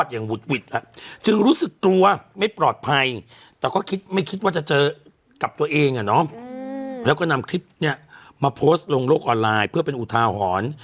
อย่างนี้อืมแล้วก็นำคลิปเนี้ยมาลงโลกออนไลน์เพื่อเป็นอุทาหอน